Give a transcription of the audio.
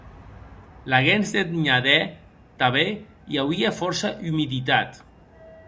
Laguens deth Nhadèr tanben i auie fòrça umiditat.